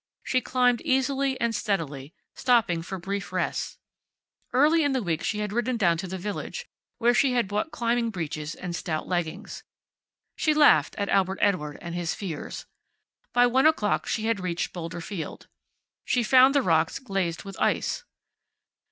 She climbed easily and steadily, stopping for brief rests. Early in the week she had ridden down to the village, where she had bought climbing breeches and stout leggings. She laughed at Albert Edward and his fears. By one o'clock she had reached Boulder Field. She found the rocks glazed with ice.